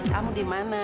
kamu di mana